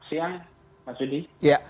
siang pak cudi